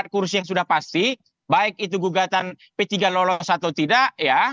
kursi yang sudah pasti baik itu gugatan p tiga lolos atau tidak ya